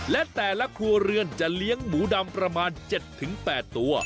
และแต่ละครัวเรือนจะเลี้ยงหมูดำประมาณ๗๘ตัว